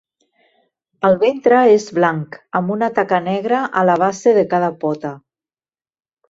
El ventre és blanc, amb una taca negra a la base de cada pota.